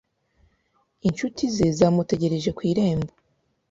Inshuti ze zamutegereje ku irembo.